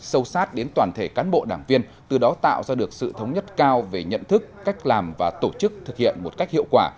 sâu sát đến toàn thể cán bộ đảng viên từ đó tạo ra được sự thống nhất cao về nhận thức cách làm và tổ chức thực hiện một cách hiệu quả